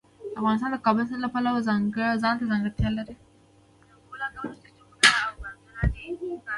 افغانستان د کابل سیند له پلوه ځانته ځانګړتیاوې لري.